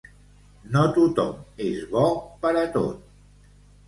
No tothom és bo per a tot.